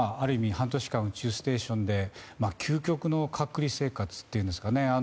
半年間、宇宙ステーションで究極の隔離生活というんですかね